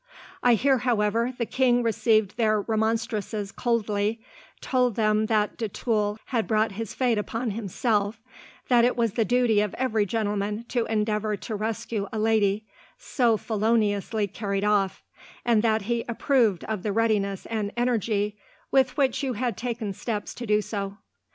"I hear, however, the king received their remonstrances coldly, told them that de Tulle had brought his fate upon himself, that it was the duty of every gentleman to endeavour to rescue a lady, so feloniously carried off, and that he approved of the readiness and energy with which you had taken steps to do so.